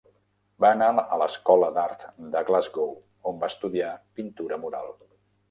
Va anar a l'Escola d'Art de Glasgow, on va estudiar pintura mural.